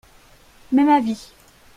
Même avis.